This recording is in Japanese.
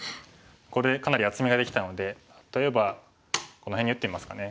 これかなり厚みができたので例えばこの辺に打ってみますかね。